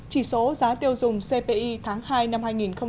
chỉ số giá tiêu dùng cpi tháng hai năm hai nghìn một mươi tám